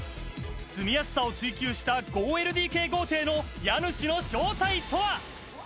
住みやすさを追求した５ＬＤＫ豪邸の家主の正体とは？